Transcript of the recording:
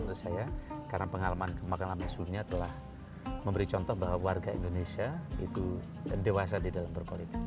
menurut saya karena pengalaman sunia telah memberi contoh bahwa warga indonesia itu dan dewasa di dalam berpolitik